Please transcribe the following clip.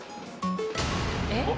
えっ？